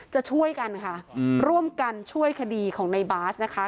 จะช่วยกันค่ะร่วมกันช่วยคดีของในบาสนะคะ